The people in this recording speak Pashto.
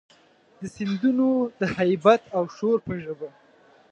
د سیندونو د هیبت او شور په ژبه،